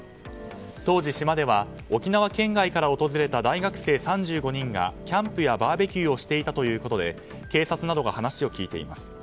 当時、島では沖縄県外から訪れた大学生３５人がキャンプやバーベキューをしていたということで警察などが話を聞いています。